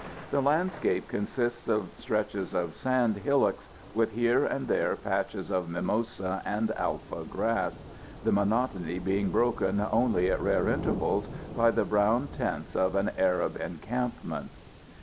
The landscape consists of stretches of sand hillocks, with here and there patches of mimosa and Alfa grass, the monotony being broken only at rare intervals by the brown tents of an Arab encampment.